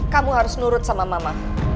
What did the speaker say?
kamu harus nurut sama mama